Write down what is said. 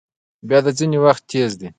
باد ځینې وخت تیز وي